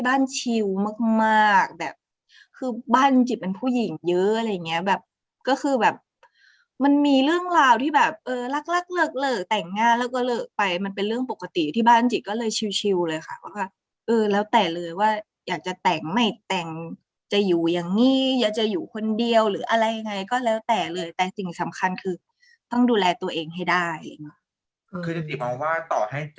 ชิลมากมากแบบคือบ้านจริงจิเป็นผู้หญิงเยอะอะไรอย่างเงี้ยแบบก็คือแบบมันมีเรื่องราวที่แบบเออรักรักเลิกแต่งงานแล้วก็เลิกไปมันเป็นเรื่องปกติที่บ้านจิตก็เลยชิวเลยค่ะว่าเออแล้วแต่เลยว่าอยากจะแต่งไม่แต่งจะอยู่อย่างนี้อยากจะอยู่คนเดียวหรืออะไรยังไงก็แล้วแต่เลยแต่สิ่งสำคัญคือต้องดูแลตัวเองให้ได้คือจริง